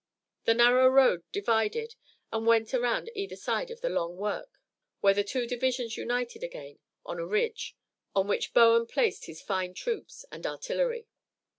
The narrow road divided and went around either end of the long work, where the two divisions united again on a ridge, on which Bowen had placed his fine troops and artillery.